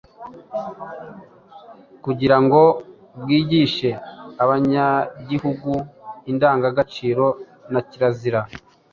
kugira ngo bwigishe abanyagihugu indangagaciro na kirazira.